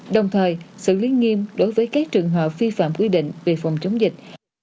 đồng thời xử lý nghiêm đối với các trường hợp vi phạm quy định về phòng chống dịch